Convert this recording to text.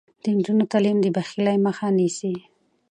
د نجونو تعلیم د بخیلۍ مخه نیسي.